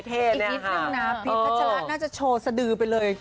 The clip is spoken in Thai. พิษพจาระน่าจะโชว์สะดือไปเลย